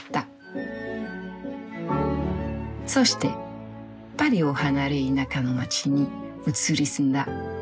そしてパリを離れ田舎の街に移り住んだ。